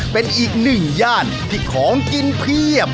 เป็นอีกหนึ่งย่านที่ของกินเพียบ